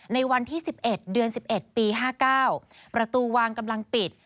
ในวันที่๑๑เดือน๑๑ปี๕๙ประตูวางกำลังปิด